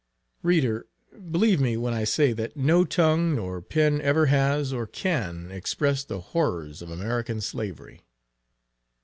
Reader, believe me when I say, that no tongue, nor pen ever has or can express the horrors of American Slavery.